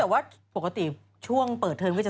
แต่ว่าปกติช่วงเปิดเทอมก็จะ